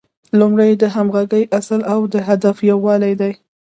لومړی د همغږۍ اصل او د هدف یووالی دی.